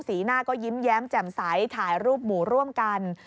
หน้าก็ยิ้มแย้มแจ่มใสถ่ายรูปหมูร่วมกัน